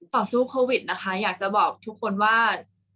ต่อสู้โควิดนะคะอยากจะบอกทุกคนว่า